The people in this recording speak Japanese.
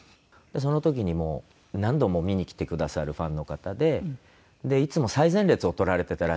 その時にもう何度も見に来てくださるファンの方でいつも最前列を取られてたらしいんですよ。